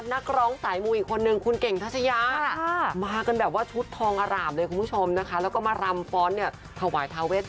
นักร้องสายหมูอีกคนหนึ่งคุณเก่งทัชยา